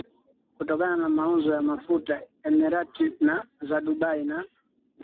kutokana na mauzo ya mafuta Emirati za Dubai na